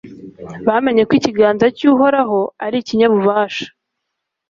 bamenye ko ikiganza cy'uhoraho ari ikinyabubasha